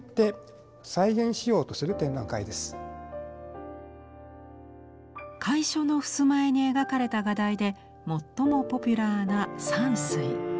会所の襖絵に描かれた画題で最もポピュラーな山水。